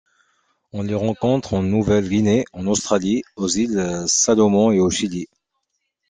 On les rencontre en Nouvelle-Guinée, en Australie, aux Îles Salomon et au Chili.